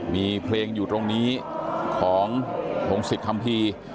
มีเพลงอยู่ตรงนี้ของพงศิษยคัมภีร์